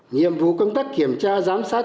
nhiệm vụ công tác kiểm tra giám sát